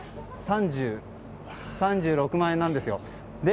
３６万円なんですよ。